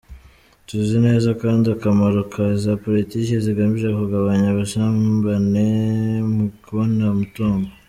Tuzi neza kandi akamaro ka za politiki zigamije kugabanya ubusumbane mu kubona umutungo.